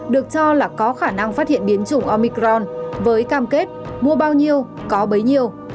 được cho là có khả năng phát hiện biến chủng omicron với cam kết mua bao nhiêu có bấy nhiêu